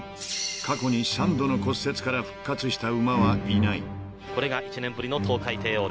［過去に３度の骨折から復活した馬はいない］